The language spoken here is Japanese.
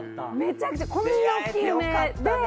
めちゃくちゃこんな大きい梅。